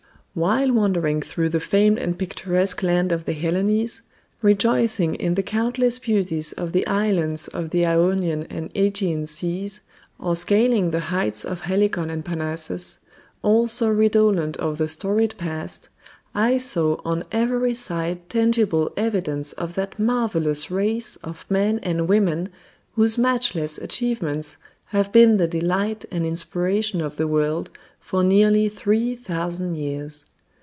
While wandering through the famed and picturesque land of the Hellenes, rejoicing in the countless beauties of the islands of the Ionian and Ægean seas or scaling the heights of Helicon and Parnassus, all so redolent of the storied past, I saw on every side tangible evidence of that marvelous race of men and women whose matchless achievements have been the delight and inspiration of the world for nearly three thousand years.